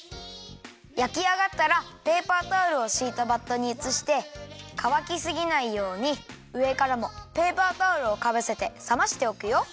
やきあがったらペーパータオルをしいたバットにうつしてかわきすぎないようにうえからもペーパータオルをかぶせてさましておくよ。